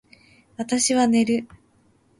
私は寝る